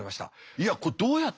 いやこれどうやって。